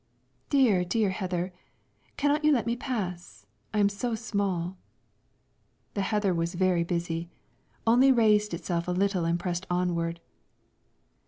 "Dear, dear heather, cannot you let me pass? I am so small." The heather was very busy; only raised itself a little and pressed onward.